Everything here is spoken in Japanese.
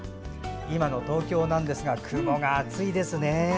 今の東京なんですが雲が厚いですね。